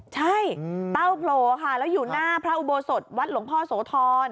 ใช่เต้าโผล่ค่ะแล้วอยู่หน้าพระอุโบสถวัดหลวงพ่อโสธร